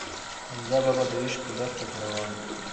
حمزه بابا د عشق په دښته کې روان و.